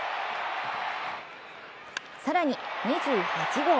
更に２８号。